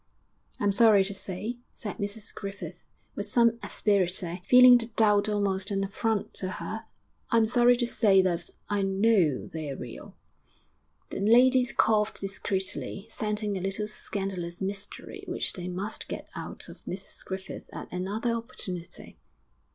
'I'm sorry to say,' said Mrs Griffith, with some asperity, feeling the doubt almost an affront to her 'I'm sorry to say that I know they're real.' The ladies coughed discreetly, scenting a little scandalous mystery which they must get out of Mrs Griffith at another opportunity.